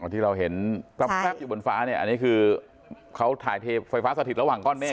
ที่เราเห็นครับอยู่บนฟ้าอันนี้คือเขาถ่ายเทไฟฟ้าสะถิดระหว่างก้อนเมฆก้อน